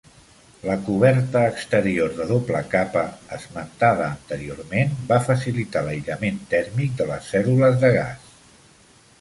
La coberta exterior de doble capa, esmentada anteriorment, va facilitar l'aïllament tèrmic de les cèl·lules de gas.